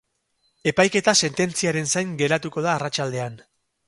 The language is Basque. Epaiketa sententziaren zain geratuko da arratsaldean.